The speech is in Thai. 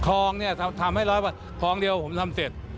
คองทำให้๑๐๐วันคองเดียวผมทำเสร็จ